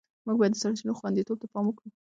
موږ باید د سرچینو خوندیتوب ته پام وکړو.